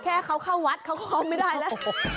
แค่เขาเข้าวัดเขาคอมไม่ได้แล้ว